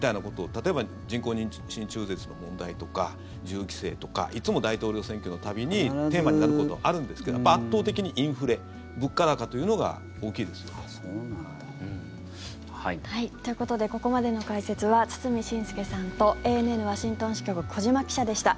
例えば、人工妊娠中絶の問題とか銃規制とかいつも大統領選挙の度にテーマになることあるんですけど圧倒的にインフレ物価高というのが大きいですね。ということでここまでの解説は堤伸輔さんとＡＮＮワシントン支局小島記者でした。